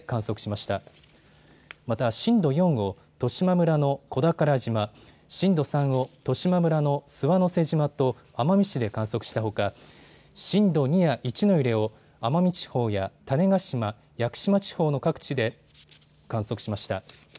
また震度４を十島村の小宝島、震度３を十島村の諏訪之瀬島と奄美市で観測したほか震度２や１の揺れを奄美地方や種子島・屋久島地方の各地で観測しました。